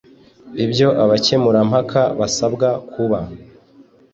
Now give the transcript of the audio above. ibyo abakemurampaka basabwa kuba